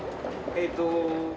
えーっと！